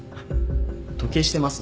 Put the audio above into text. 時計してますね。